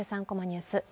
３コマニュース」